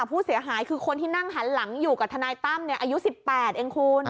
ผู้เสียหายคือคนที่นั่งหันหลังอยู่กับทนายตั้มอายุ๑๘เองคุณ